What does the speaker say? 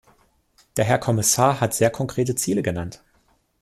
Der Herr Kommissar hat sehr konkrete Ziele genannt.